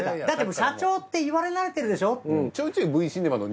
だって社長って言われ慣れてるでしょって。